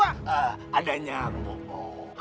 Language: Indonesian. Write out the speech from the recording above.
ah adanya aku